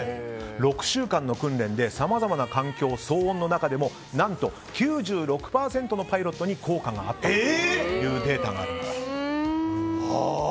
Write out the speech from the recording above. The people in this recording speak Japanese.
６週間の訓練でさまざまな環境騒音の中でも何と９６％のパイロットに効果があったというデータがあるんです。